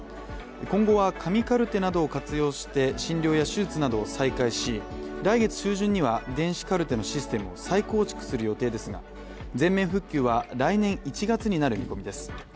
今後は紙カルテなどを活用して診療や手術などを再開し、来月中旬には電子カルテのシステムを再構築する予定ですが全面復旧は来年１月になる見込みです。